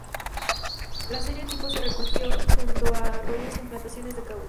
La serie tipo se recogió junto a arroyos en plantaciones de caucho.